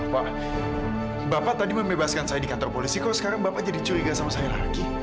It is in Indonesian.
pak bapak tadi membebaskan saya di kantor polisi kok sekarang bapak jadi curiga sama saya lagi